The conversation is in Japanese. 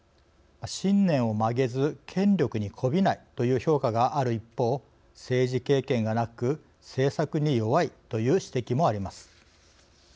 信念を曲げず権力にこびないという評価がある一方政治経験がなく政策に弱いという指摘もあります。